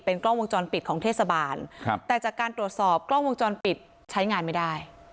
กล้องวงจรปิดของเทศบาลครับแต่จากการตรวจสอบกล้องวงจรปิดใช้งานไม่ได้